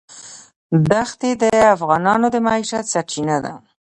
دښتې د افغانانو د معیشت سرچینه ده.